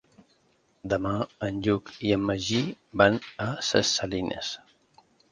Demà en Lluc i en Magí van a Ses Salines.